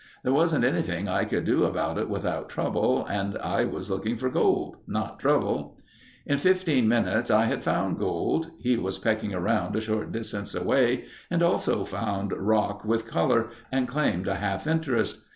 There wasn't anything I could do about it without trouble and I was looking for gold—not trouble. "In 15 minutes I had found gold. He was pecking around a short distance away and also found rock with color and claimed a half interest.